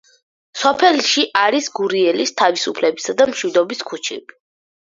სოფელში არის გურიელის, თავისუფლებისა და მშვიდობის ქუჩები.